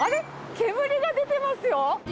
煙が出てますよ。